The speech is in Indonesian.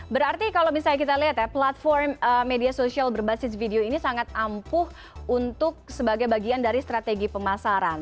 berarti kalau misalnya kita lihat ya platform media sosial berbasis video ini sangat ampuh untuk sebagai bagian dari strategi pemasaran